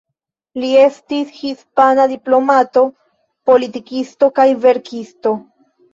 Li estis hispana diplomato, politikisto kaj verkisto.